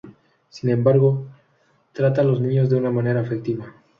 Sin embargo, trata a los niños de una manera afectiva.